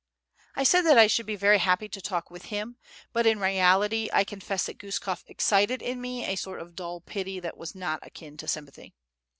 I said that I should be very happy to talk with him, but in reality I confess that Guskof excited in me a sort of dull pity that was not akin to sympathy.